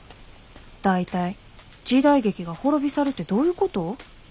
大体時代劇が滅び去るてどういうこと？